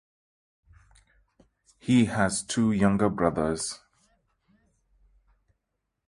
He has two younger brothers.